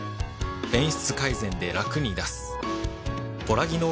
便質改善でラクに出す映え